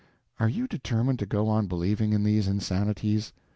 Are you determined to go on believing in these insanities?